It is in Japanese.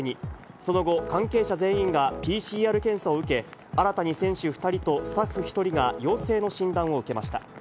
その後、関係者全員がＰＣＲ検査を受け、新たに選手２人とスタッフ１人が陽性の診断を受けました。